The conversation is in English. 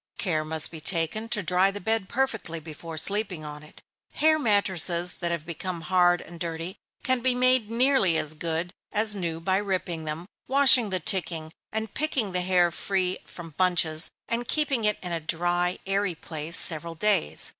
Care must be taken to dry the bed perfectly, before sleeping on it. Hair mattresses that have become hard and dirty, can be made nearly as good as new by ripping them, washing the ticking, and picking the hair free from bunches, and keeping it in a dry, airy place, several days.